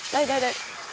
đây đây đây